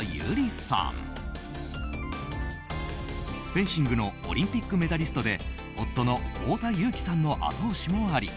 フェンシングのオリンピックメダリストで夫の太田雄貴さんの後押しもあり